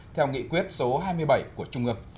theo nghị quyết số hai mươi bảy của trung ương